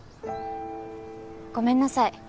ごめんなさい。